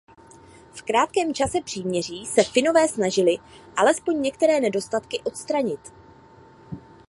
V krátkém čase příměří se Finové snažili alespoň některé nedostatky odstranit.